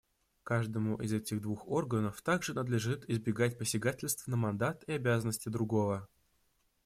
Каждому из этих двух органов также надлежит избегать посягательств на мандат и обязанности другого.